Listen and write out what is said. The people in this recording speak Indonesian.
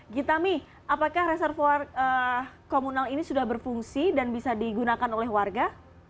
gita mi apakah reservoir komunal ini sudah berfungsi dan bisa digunakan oleh warga